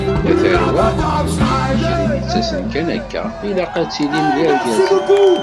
A tarwa! ur yelli kra i d-ittasen kan akka, ilaq ad tilim d irgazen.